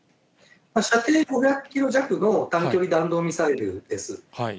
射程５００キロ弱の短距離弾道ミサイルです。